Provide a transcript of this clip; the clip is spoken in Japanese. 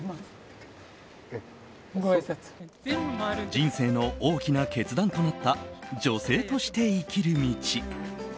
人生の大きな決断となった女性として生きる道。